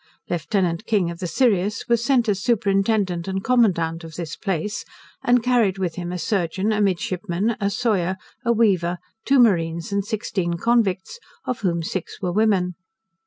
Lieut. King of the Sirius was sent as superintendent and commandant of this place, and carried with him a surgeon, a midshipman, a sawyer, a weaver, two marines, and sixteen convicts, of whom six were women.